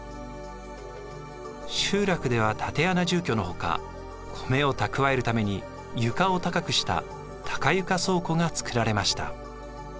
集落では竪穴住居のほか米を蓄えるために床を高くした高床倉庫が造られました。